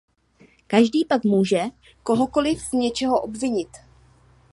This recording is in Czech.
Každý pak může kohokoliv z něčeho obvinit.